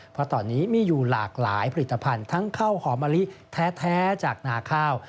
เพราะตอนนี้มีอยู่หลากหลายผลิตภัณฑ์ทั้งข้าวหอมมะลิแท้จากนาข้าว